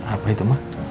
apa itu ma